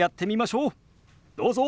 どうぞ！